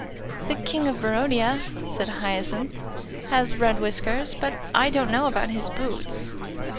"The King of Barodia," said Hyacinth, "has red whiskers, but I don't know about his boots."